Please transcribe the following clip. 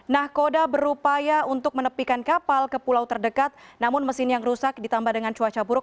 nah koda berupaya untuk menepikan kapal ke pulau terdekat namun mesin yang rusak ditambah dengan cuaca buruk